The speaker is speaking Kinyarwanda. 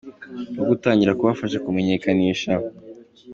wo gutangira kubafasha kumenyekanisha.